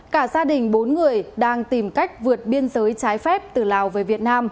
cả gia đình bốn người đang tìm cách vượt biên giới trái phép từ lào về việt nam